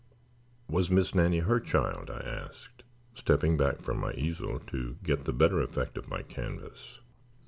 "Was Miss Nannie her child?" I asked, stepping back from my easel to get the better effect of my canvas.